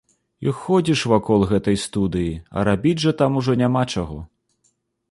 І ходзіш вакол гэтай студыі, а рабіць жа там ужо няма чаго.